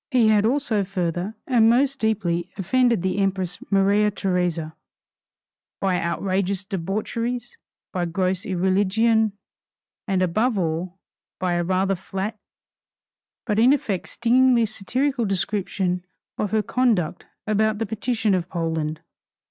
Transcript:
He had also further and most deeply offended the Empress Maria Theresa, by outrageous debaucheries, by gross irreligion, and above all by a rather flat but in effect stingingly satirical description of her conduct about the partition of Poland.